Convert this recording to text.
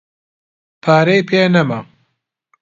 پارەی پێ نەما.